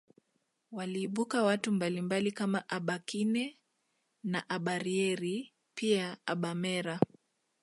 Waliibuka watu mbalimbali kama abakine na abarieri pia abamera